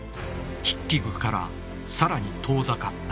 筆記具からさらに遠ざかった。